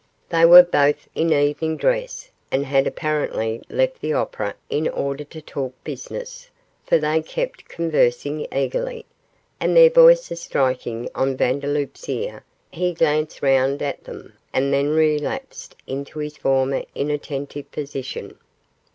They were both in evening dress, and had apparently left the opera in order to talk business, for they kept conversing eagerly, and their voices striking on Vandeloup's ear he glanced round at them and then relapsed into his former inattentive position.